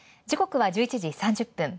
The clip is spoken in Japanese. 時刻は１１時３０分。